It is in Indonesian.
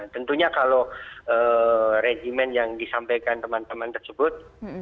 tentunya kalau regimen yang disampaikan teman teman tersebut